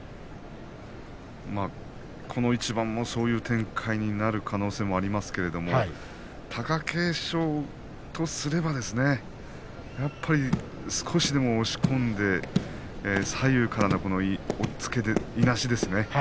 この一番もそういう展開になる可能性もありますし貴景勝とすれば少しでも押し込んで左右からの押っつけやいなしですね。